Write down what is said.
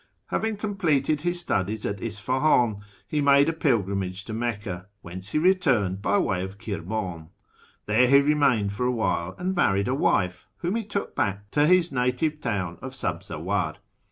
Having completed his studies at Isfahan, he made a pil grimage to Mecca, whence he returned by way of Kirmiin. There he remained for a w^hile and married a wife, whom he took back to his native town of Sabzawar.